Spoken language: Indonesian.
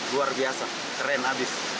luar biasa keren abis